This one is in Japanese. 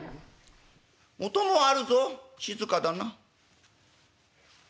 音もあるぞ静かだな」。